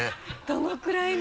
どのくらいの。